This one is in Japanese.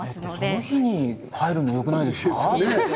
その日に入れるのよくないですか？